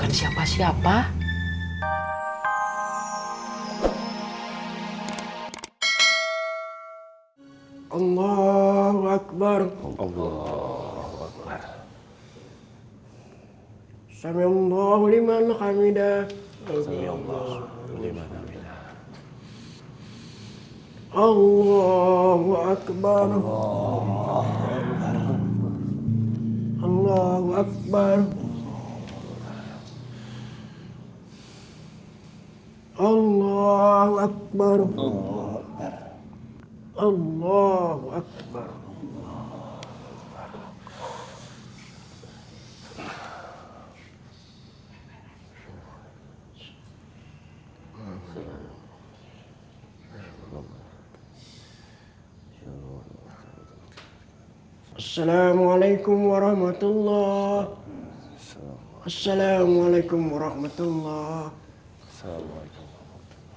assalamualaikum warahmatullahi wabarakatuh